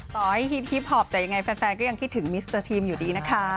ต่อให้ฮิตพอปแต่ยังไงแฟนก็ยังคิดถึงมิสเตอร์ทีมอยู่ดีนะคะ